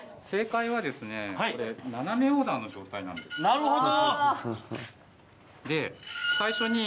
なるほど。